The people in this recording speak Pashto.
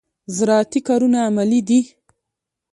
زراعتي کارونه علمي دي.